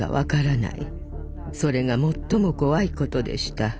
それが最も怖いことでした。